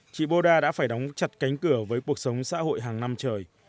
chị boda đã phải đóng chặt cánh cửa với cuộc sống xã hội hàng năm trời